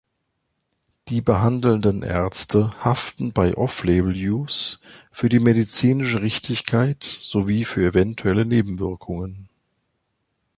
Die behandelnden Ärzte haften bei "Off-Label-Use" für die medizinische Richtigkeit sowie für eventuelle Nebenwirkungen.